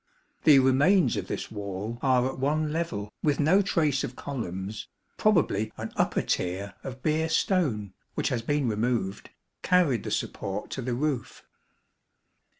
The remains of this wall are at one level, with no trace of columns; probably an upper tier of Beer stone (which has been removed) carried the support to the roof.